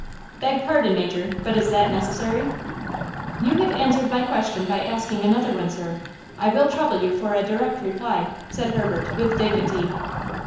"Beg pardon, Major, but is that necessary?" "You have answered my question by asking another one, sir. I will trouble you for a direct reply," said Herbert with dignity.